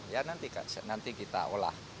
ya nanti kita olah